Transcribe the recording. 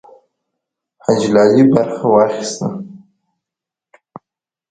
حاجي لالی برخه واخیسته.